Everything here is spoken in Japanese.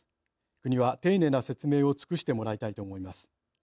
国は丁寧な説明を尽くしてもらいたいと思います。